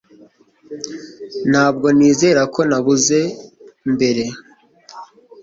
ntabwo nizera ko nabuze mbere